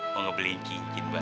mau beli cincin buat lo